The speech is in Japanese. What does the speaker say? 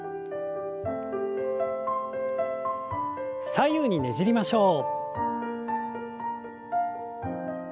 左右にねじりましょう。